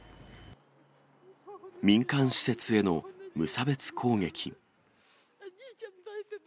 民間施設への無差別攻撃。